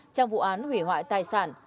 trong vụ án hủy hoại tài sản